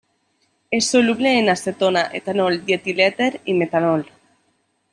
És soluble en acetona, etanol, dietilèter i metanol.